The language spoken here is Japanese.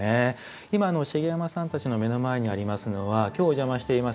今茂山さんたちの目の前にありますのは今日お邪魔しています